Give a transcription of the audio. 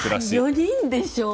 ４人でしょ。